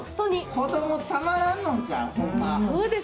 子供、たまらんのんちゃう？